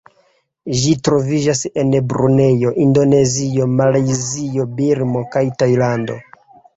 Ĝi troviĝas en Brunejo, Indonezio, Malajzio, Birmo kaj Tajlando.